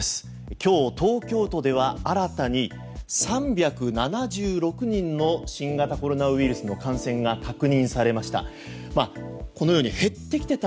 今日、東京都では新たに３７６人の新型コロナウイルスの感染が確認されました。